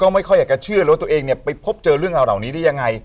ไม่ค่อยจะเชื่อว่าตัวเองไปพบเจอเรื่องเหล่านี้ได้ยังไง